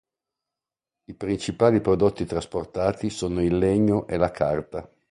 I principali prodotti trasportati sono il legno e la carta.